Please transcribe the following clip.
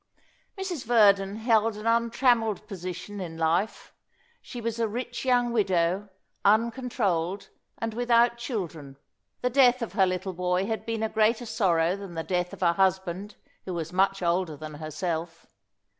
Mrs. Verdon held an untrammelled position in life. She was a rich young widow, uncontrolled, and without children. The death of her little boy had been a greater sorrow than the death of a husband who was much older than herself.